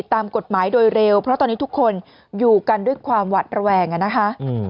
ตามกฎหมายโดยเร็วเพราะตอนนี้ทุกคนอยู่กันด้วยความหวัดระแวงอ่ะนะคะ